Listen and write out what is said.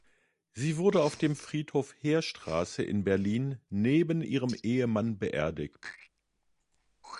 Sie wurde auf dem Friedhof Heerstraße in Berlin neben ihrem Ehemann beerdigt.